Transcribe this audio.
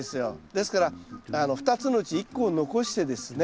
ですから２つのうち１個を残してですね